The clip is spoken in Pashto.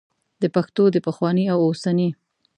د پښتو د پخواني او اوسني